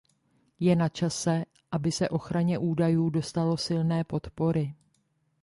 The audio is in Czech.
Je na čase, aby se ochraně údajů dostalo silné podpory.